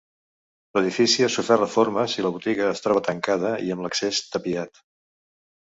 L'edifici ha sofert reformes i la botiga es troba tancada i amb l'accés tapiat.